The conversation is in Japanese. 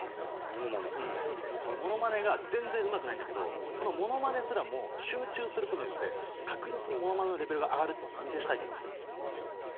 物まね全然うまくないんだけどこの物まねすらも集中することによって確実に物まねのレベルが上がるってことお見せしたいと思ってるの。